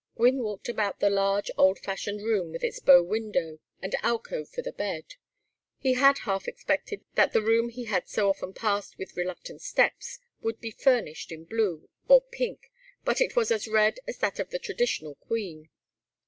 Gwynne walked about the large old fashioned room with its bow window, and alcove for the bed. He had half expected that the room he had so often passed with reluctant steps would be furnished in blue or pink, but it was as red as that of the traditional queen.